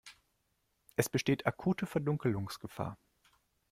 Es besteht akute Verdunkelungsgefahr.